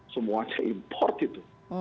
semuanya import gitu